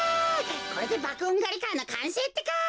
これでばくおんがりカーのかんせいってか！